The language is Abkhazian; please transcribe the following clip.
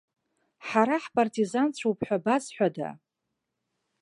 Ҳара ҳпартизанцәоуп ҳәа базҳәада?